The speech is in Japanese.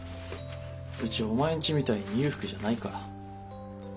うちお前んちみたいに裕福じゃないから。